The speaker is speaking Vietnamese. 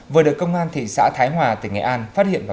vừa được công an thị xã thái hòa tỉnh hà nội phát hiện